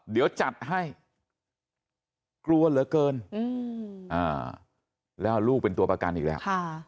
เดี๋ยวจัดให้กลัวเหลือเกินแล้วเอาลูกเป็นตัวประกันอีกแล้ว